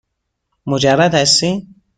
مجرد هستی؟